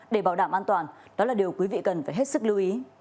để bảo đảm an toàn đó là điều quý vị cần phải hết sức lưu ý